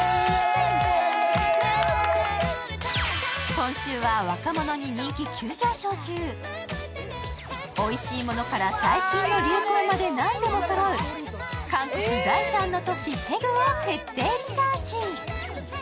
今週は若者に人気急上昇中、おいしいものから最新の流行まで何でもそろう韓国第三の都市・テグを徹底リサーチ。